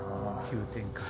急展開。